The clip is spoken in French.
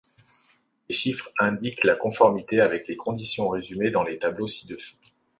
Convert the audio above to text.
Les chiffres indiquent la conformité avec les conditions résumées dans les tableaux ci-dessous.